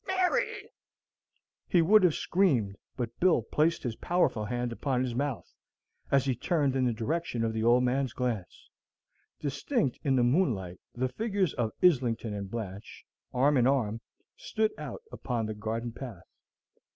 Mary!" He would have screamed, but Bill placed his powerful hand upon his mouth, as he turned in the direction of the old man's glance. Distinct in the moonlight the figures of Islington and Blanche, arm in arm, stood out upon the garden path.